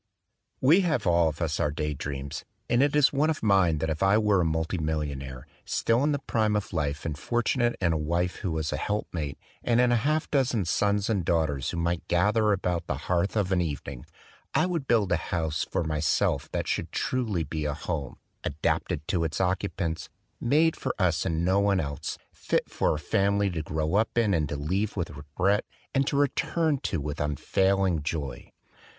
IV WE have all of us our day dreams; and it is one of mine that if I were a multi millionaire, still in the prime of life and fortunate in a wife who was a helpmate and in half a dozen sons and daughters who might gather about the hearth of an evening, I would build a house for myself that should be truly a home, "adapted to its occupants," made for us and for no one else, fit for a family to grow up in and to leave with regret and to return to with unfailing joy.